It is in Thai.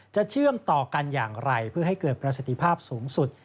เชื่อมต่อกันอย่างไรเพื่อให้เกิดประสิทธิภาพสูงสุด